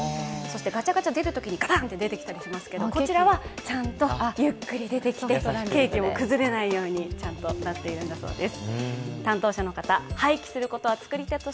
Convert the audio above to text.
ガチャガチャ出るときに、がたんとか出てきたりしますけどこちらはちゃんとゆっくり出てきて、ケーキも崩れないようにちゃんとなっているんだそうです。